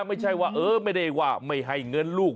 ไม่ใช่ว่าเออไม่ได้ว่าไม่ให้เงินลูก